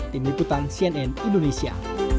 tim liputan cnn indonesia